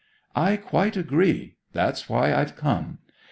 'I quite agree that's why I've come.